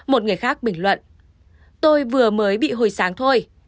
một người khác bình luận tôi vừa mới bị hồi sáng thôi